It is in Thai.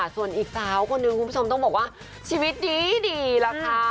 ส่วนอีกสาวคนนึงคุณผู้ชมต้องบอกว่าชีวิตดีล่ะค่ะ